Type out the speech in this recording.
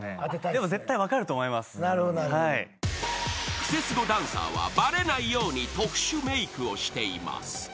［クセスゴダンサーはバレないように特殊メークをしています］